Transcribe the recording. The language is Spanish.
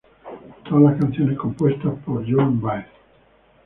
Todas las canciones compuestas por Joan Baez.